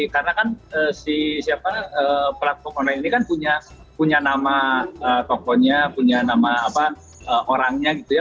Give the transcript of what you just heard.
karena kan si siapa pelaku online ini kan punya nama tokonya punya nama apa orangnya gitu ya